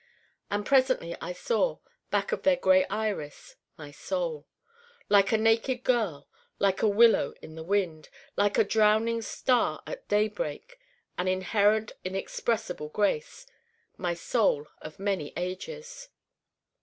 And presently I saw, back of their gray iris my Soul: like a naked girl: like a willow in the wind: like a drowning star at daybreak: an inherent inexpressible grace my Soul of many ages.